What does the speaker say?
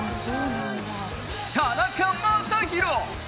田中将大！